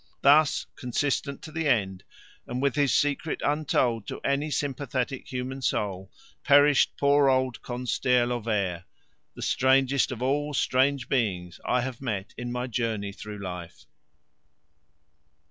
Thus, consistent to the end, and with his secret untold to any sympathetic human soul, perished poor old Con stair Lo vair, the strangest of all strange beings I have met with in my journey through life.